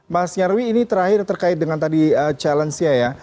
mas nyarwi ini terakhir terkait dengan tadi challenge nya ya